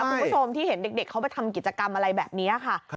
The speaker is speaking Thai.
คุณผู้ชมที่เห็นเด็กเขาไปทำกิจกรรมอะไรแบบนี้ค่ะ